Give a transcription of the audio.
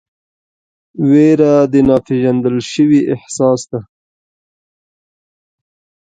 ویره د ناپېژندل شوي احساس ده.